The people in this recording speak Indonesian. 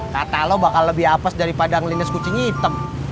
kata lo bakal lebih apes daripada ngelindas kucing hitam